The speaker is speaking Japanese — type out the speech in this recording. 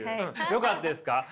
よかったです。